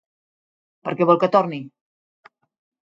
Per què vol que torni?